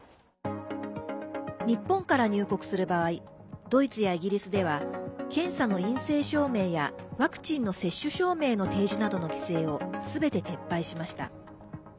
日本から入国する場合ドイツやイギリスでは検査の陰性証明やワクチンの接種証明の提示などの規制をすべて撤廃しました。